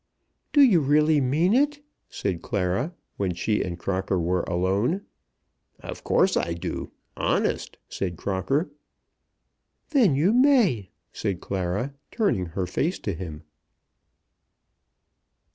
"Do you really mean it?" said Clara, when she and Crocker were alone. "Of course I do, honest," said Crocker. "Then you may," said Clara, turning her face to him.